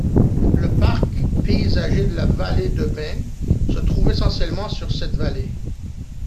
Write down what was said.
Le parc paysager de la vallée de Binn se trouve essentiellement sur cette vallée.